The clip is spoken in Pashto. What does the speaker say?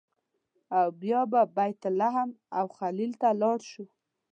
او بیا به بیت لحم او الخلیل ته لاړ شو.